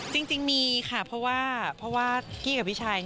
จริงมีค่ะเพราะว่ากี้กับพี่ชาย